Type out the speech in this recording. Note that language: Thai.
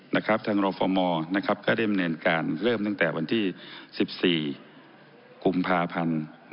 ทางรฟมก็ได้ดำเนินการเริ่มตั้งแต่วันที่๑๔กุมภาพันธ์